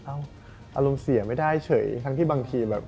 อารมณ์เสียไม่ได้เฉยทั้งที่บางทีแบบ